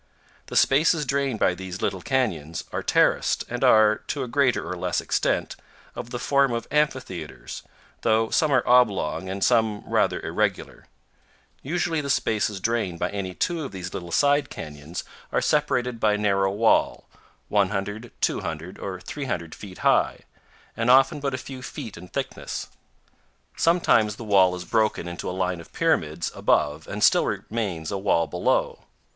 The spaces drained by these little canyons are terraced, and are, to a greater or less extent, of the form of amphitheaters, though some are oblong and some rather irregular. Usually the spaces drained by any two of these little side canyons are separated by a narrow wall, 100, 200, or 300 feet high, and often but a few feet in thickness. Sometimes the wall is broken into a line of pyramids above and still remains a wall below.